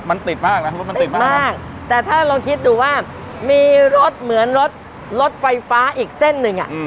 มันติดมากนะติดมากแต่ถ้าเราคิดดูว่ามีรถเหมือนรถไฟฟ้าอีกเส้นหนึ่ง